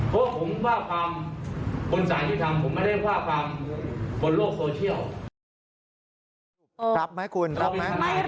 เพราะผมว่าความผลสารที่ทำผมไม่ได้ว่าความผลโลกโซเชียล